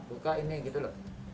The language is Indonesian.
buka ini gitu loh